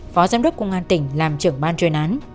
phó giám đốc công an tỉnh làm trưởng ban chuyên án